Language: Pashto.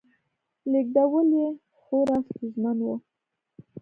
لېږدول یې خورا ستونزمن و